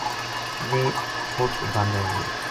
ویہ ات بند ہوگیا